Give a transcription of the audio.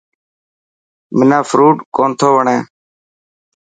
منا فروٽ ڪونٿو وڻي.